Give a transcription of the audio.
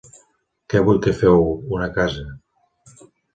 Que vull que feu una casa.